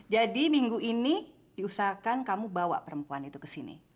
jadi minggu ini diusahakan kamu bawa perempuan itu ke sini